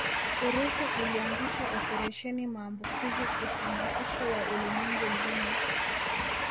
Urusi ulianzisha Operesheni maambukizi uhamasisho wa ulimwengu mzima